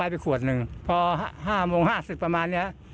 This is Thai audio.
ไปไปขวดหนึ่งพอห้าโมงห้าสิบประมาณเนี้ย